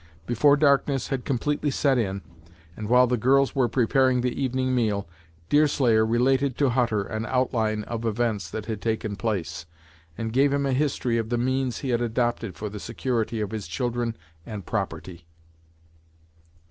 Before darkness had completely set in, and while the girls were preparing the evening meal, Deerslayer related to Hutter an outline of events that had taken place, and gave him a history of the means he had adopted for the security of his children and property.